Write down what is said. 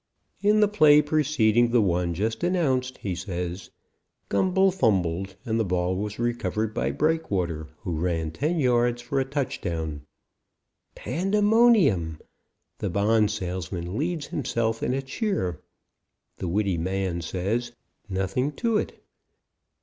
"In the play preceding the one just announced," he says, "Gumble fumbled and the ball was recovered by Breakwater, who ran ten yards for a touchdown " Pandemonium! The bond salesman leads himself in a cheer. The witty man says, "Nothing to it."